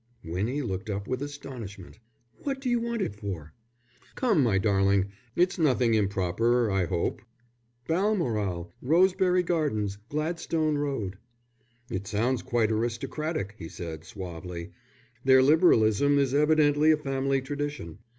Winnie looked up with astonishment. "What do you want it for?" "Come, my darling, it's nothing improper, I hope." "Balmoral, Rosebery Gardens, Gladstone Road." "It sounds quite aristocratic," he said, suavely. "Their Liberalism is evidently a family tradition."